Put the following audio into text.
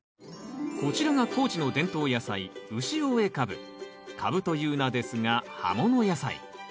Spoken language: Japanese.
こちらが高知の伝統野菜カブという名ですが葉もの野菜。